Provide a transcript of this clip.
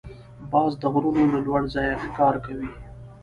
باز د غرونو له لوړ ځایه ښکار کوي